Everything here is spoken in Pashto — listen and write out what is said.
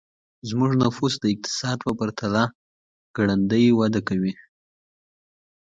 زموږ نفوس د اقتصاد په پرتله ګړندی وده کوي.